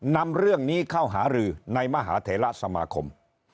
นำเรื่องนี้เข้าหารือในมหาเถระสมาคม